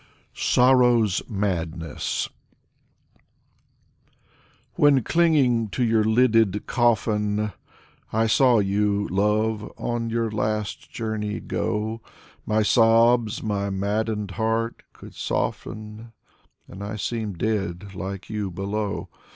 Yakov Polonsky 49 SORROW'S MADNESS When, clinging to your lidded coffin, I saw you, love, on your last journey go, No sobs my maddened heart could soften, And I seemed dead, like you, below.